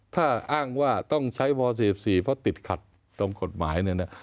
ถ้าอ้างว่าต้องใช้ม๔๔เพราะติดขัดตรงกฎหมายเนี่ยนะ